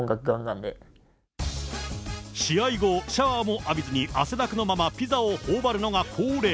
試合後、シャワーも浴びずに汗だくのままピザをほおばるのが恒例。